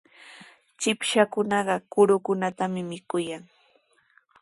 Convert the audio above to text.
Chipshakunaqa kurukunatami mikuyan.